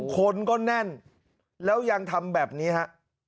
คนก็แน่นแล้วยังทำแบบนี้ฮะ